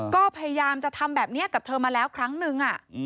ก็พยายามจะทำแบบนี้กับเธอมาแล้วครั้งนึง